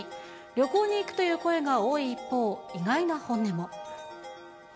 旅行に行くという声が多い一方、意外な本音も。